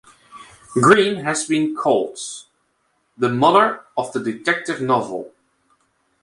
Green has been called "the mother of the detective novel".